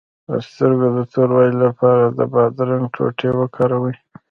د سترګو د توروالي لپاره د بادرنګ ټوټې وکاروئ